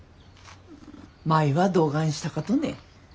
舞はどがんしたかとね？